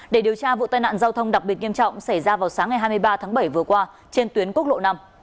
để điều tra vụ tai nạn giao thông đặc biệt nghiêm trọng xảy ra vào sáng ngày hai mươi ba tháng bảy vừa qua trên tuyến quốc lộ năm